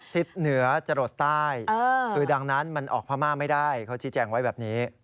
ทิศเหนือจะหลดใต้คือดังนั้นมันออกพม่าไม่ได้เขาชี้แจงไว้แบบนี้